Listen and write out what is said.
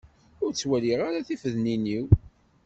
Ur ttwalliɣ ara tifednin-iw.